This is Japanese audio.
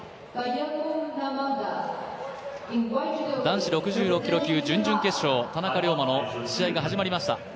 男子６６キロ級、準々決勝、田中龍馬の試合が始まりました。